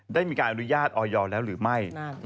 ได้มีการอนุญาตออยแล้วหรือไม่